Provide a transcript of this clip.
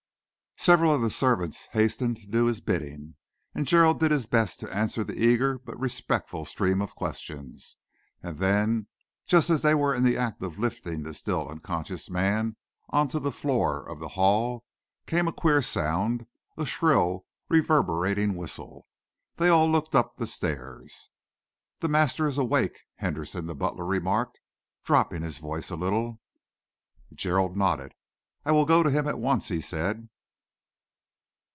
Several of the servants hastened to do his bidding, and Gerald did his best to answer the eager but respectful stream of questions. And then, just as they were in the act of lifting the still unconscious man on to the floor of the hall, came a queer sound a shrill, reverberating whistle. They all looked up the stairs. "The master is awake," Henderson, the butler, remarked, dropping his voice a little. Gerald nodded. "I will go to him at once," he said.